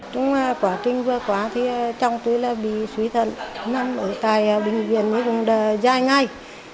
trong quá trình vừa qua chồng tôi bị suy thận tại bệnh viện cũng dài ngày